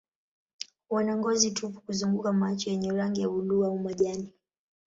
Wana ngozi tupu kuzunguka macho yenye rangi ya buluu au majani.